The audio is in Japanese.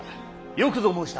よくぞ申した。